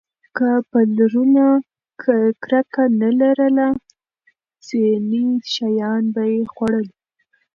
که پلرونه کرکه نه لرله، ځینې شیان به یې خوړل.